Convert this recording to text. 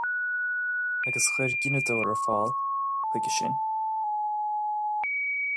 Agus chuir gineadóir ar fáil chuige sin.